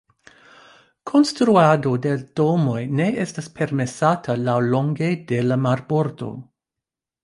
Konstruado de domoj ne estas permesata laŭlonge de la marbordo.